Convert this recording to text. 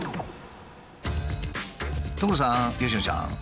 所さん佳乃ちゃん。